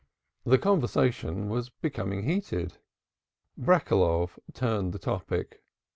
The conversation was becoming heated; Breckeloff turned the topic.